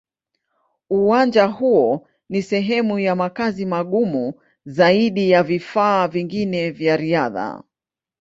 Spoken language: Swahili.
Uwanja huo ni sehemu ya makazi magumu zaidi ya vifaa vingine vya riadha.